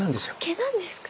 毛なんですか？